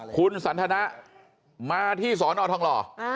คุณสันทนะมาที่สอนอทองหล่อ